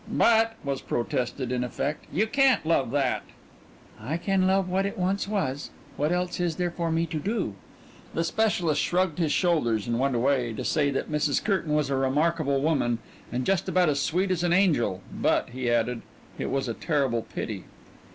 "But," was protested, in effect, "you can't love that." "I can love what it once was. What else is there for me to do?" The specialist shrugged his shoulders and went away to say that Mrs. Curtain was a remarkable woman and just about as sweet as an angel but, he added, it was a terrible pity.